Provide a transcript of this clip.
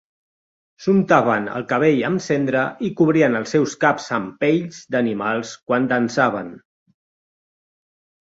S'untaven el cabell amb cendra i cobrien els seus caps amb pells d'animals quan dansaven.